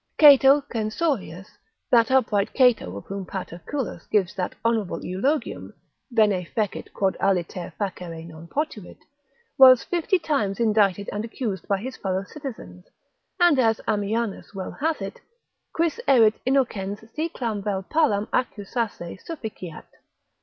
Cato Censorius, that upright Cato of whom Paterculus gives that honourable eulogium, bene fecit quod aliter facere non potuit, was fifty times indicted and accused by his fellow citizens, and as Ammianus well hath it, Quis erit innocens si clam vel palam accusasse sufficiat?